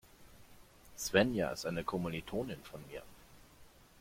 Svenja ist eine Kommilitonin von mir.